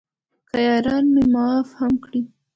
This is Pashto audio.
که یاران مې معاف هم کړي.